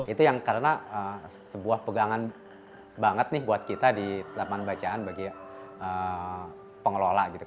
itu yang karena sebuah pegangan banget nih buat kita di lapangan bacaan bagi pengelola gitu